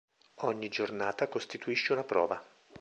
Ogni giornata costituisce una prova.